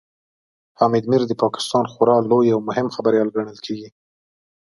حامد میر د پاکستان خورا لوی او مهم خبريال ګڼل کېږي